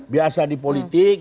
biasa di politik